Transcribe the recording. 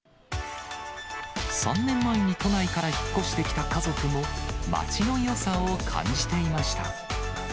３年前に都内から引っ越してきた家族も、街のよさを感じていました。